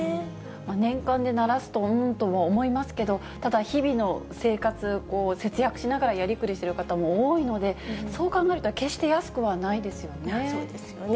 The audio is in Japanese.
年間でならすとうーんとは思いますけど、ただ、日々の生活、節約しながらやりくりしている人も多いので、そう考えると、そうですよね。